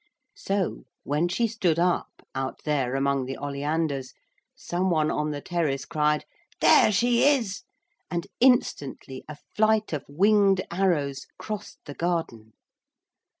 So when she stood up, out there among the oleanders, some one on the terrace cried, 'There she is!' and instantly a flight of winged arrows crossed the garden.